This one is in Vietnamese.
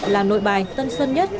là nội bài tân sân nhất